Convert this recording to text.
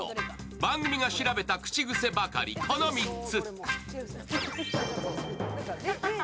番組が調べた口癖ばかりの、この３つ。